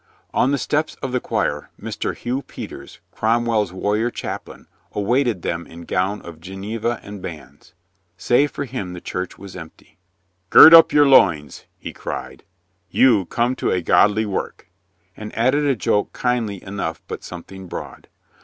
On the steps of the choir, Mr, Hugh Peters, Crom well's warrior chaplain, awaited them in gown of Geneva and bands. Save for him the church was empty. "Gird up your loins," he cried. "You come to a godly work," and added a joke kindly enough but something broad.